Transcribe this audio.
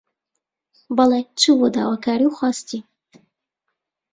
بەڵی، چوو بۆ داواکاری و خواستی